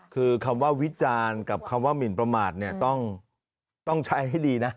คือคำว่าวิจารณ์กับคำว่าหมินประมาทเนี่ยต้องใช้ให้ดีนะ